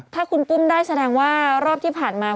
ถ้าคุณปุ้มได้แสดงว่ารอบที่ผ่านมา